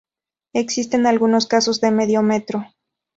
Existen algunos casos de medio metro.